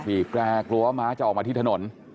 แกรกลัวว่าม้าจะออกมาที่ถนน